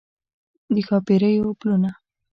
د ښاپیریو پلونه